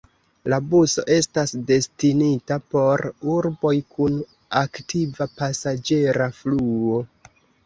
La buso estas destinita por urboj kun aktiva pasaĝera fluo.